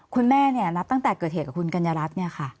คุณแม่เนี่ยนับตั้งแต่เกิดเหตุกับคุณกัญญารัฐเนี่ยค่ะ